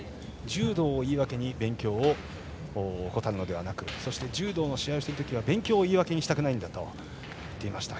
柔道を言い訳に勉強を怠るのではなく柔道の試合をしているときは勉強を言い訳にしたくないと言っていました。